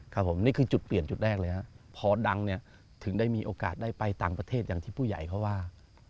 ครับผมนี่คือจุดเปลี่ยนจุดแรกเลยครับพอดังเนี่ยถึงได้มีโอกาสได้ไปต่างประเทศอย่างที่ผู้ใหญ่เขาว่า